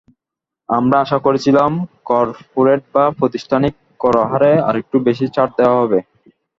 আমরা আশা করেছিলাম করপোরেট বা প্রাতিষ্ঠানিক করহারে আরেকটু বেশি ছাড় দেওয়া হবে।